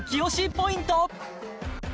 ポイント